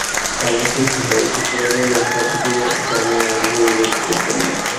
আমাকে গল্প শোনানোর ব্যাপারে তিনি তেমন আগ্রহ বোধ করতেন না।